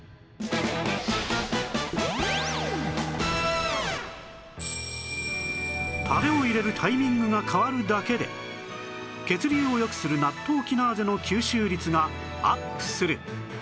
まずはタレを入れるタイミングが変わるだけで血流を良くするナットウキナーゼの吸収率がアップする